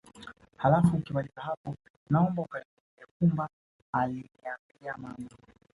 Alafu ukimaliza hapo naomba kaninunulie pumba alinambia mama